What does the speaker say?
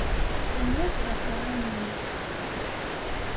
Tanemmirt ɣef uɛawen-nnek.